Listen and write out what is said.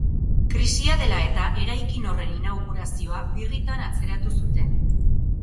Krisia dela eta, eraikin horren inaugurazioa birritan atzeratu zuten.